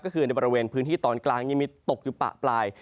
ก็คือในบริเวณพื้นที่ตอนกลางนิมิตตกอยู่ปะปลาย